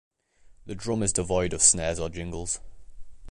The drum is devoid of snares or jingles.